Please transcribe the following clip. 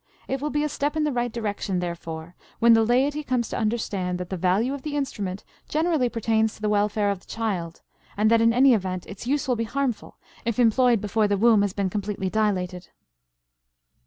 It will be a step in the right direction, therefore, when the laity comes to understand that the value of the instrument generally pertains to the welfare of the child, and that, in any event, its use will be harmful if employed before the womb has been completely dilated.